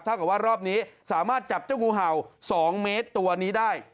กับว่ารอบนี้สามารถจับเจ้างูเห่า๒เมตรตัวนี้ได้